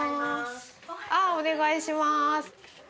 ああお願いします。